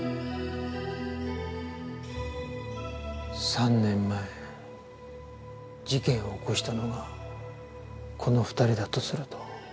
３年前事件を起こしたのがこの２人だとすると。